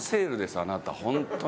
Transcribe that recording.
あなた、本当に。